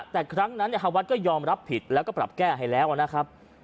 แต่ครั้งนั้นฮาวัดก็ยอมรับผิดแล้วก็ปรับแก้ให้แล้วนะครับ